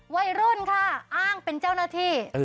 วัยรุ่นค่ะอ้างเป็นเจ้าหน้าที่